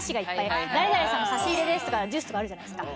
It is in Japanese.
誰々さんの差し入れですとかジュースとかあるじゃないですか。